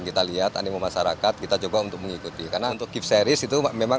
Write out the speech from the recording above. kita lihat animo masyarakat kita coba untuk mengikuti karena untuk keep series itu memang